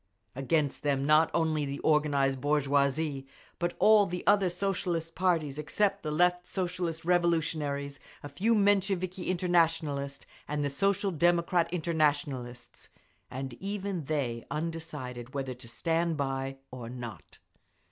Against them not only the organised bourgeoisie, but all the other Socialist parties except the Left Socialist Revolutionaries, a few Mensheviki Internationalists and the Social Democrat Internationalists, and even they undecided whether to stand by or not.